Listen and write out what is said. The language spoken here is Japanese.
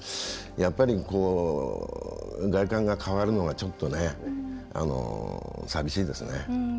やっぱり、外観が変わるのはちょっとね、寂しいですね。